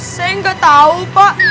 saya gak tau pak